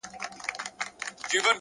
مهرباني د خاموش نفوذ ځواک لري’